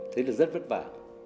thấy là rất vất vả